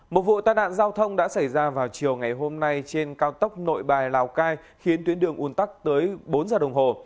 một vụ tai nạn giao thông đã xảy ra vào chiều ngày hôm nay trên cao tốc nội bài lào cai khiến tuyến đường un tắc tới bốn giờ đồng hồ